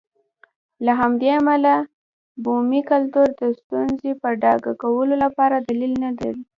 له همدې امله بومي کلتور د ستونزې په ډاګه کولو لپاره دلیل نه دی.